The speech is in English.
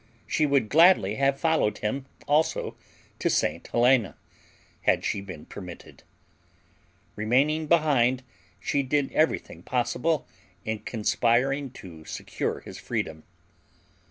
She would gladly have followed him, also, to St. Helena had she been permitted. Remaining behind, she did everything possible in conspiring to secure his freedom.